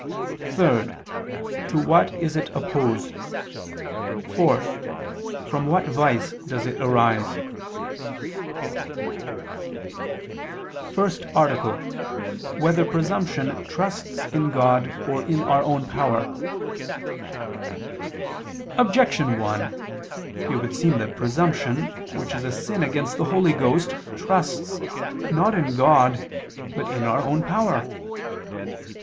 (3) To what is it opposed? (4) From what vice does it arise? _______________________ FIRST ARTICLE [II II, Q. 21, Art. 1] Whether Presumption Trusts in God or in Our Own Power? Objection 1: It would seem that presumption, which is a sin against the Holy Ghost, trusts, not in God, but in our own power.